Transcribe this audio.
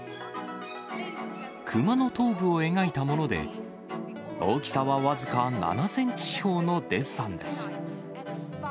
クマの頭部を描いたもので、大きさは僅か７センチ四方のデッサンです。